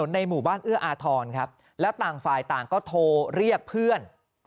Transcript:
ในหมู่บ้านเอื้ออาทรครับแล้วต่างฝ่ายต่างก็โทรเรียกเพื่อน